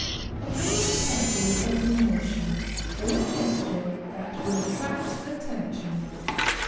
Avoid carefully every motion, or gesture that will attract attention.